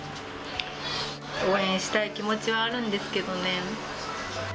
応援したい気持ちはあるんですけどね。